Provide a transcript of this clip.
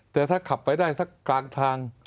แต่ถ้าขับไปได้สักกลางทาง